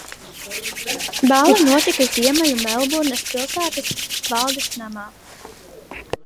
Balle notika Ziemeļu Melburnas pilsētas valdes namā.